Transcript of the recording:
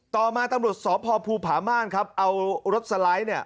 ต่อมาตำรวจสพภูผาม่านครับเอารถสไลด์